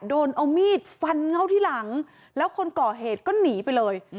โดนเอามีดฟันเข้าที่หลังแล้วคนก่อเหตุก็หนีไปเลย